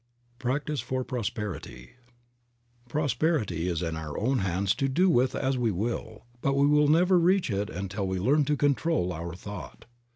PRACTICE FOR PROSPERITY. PROSPERITY is in our own hands to do with as we will, but we will never reach it until we learn to control our thought.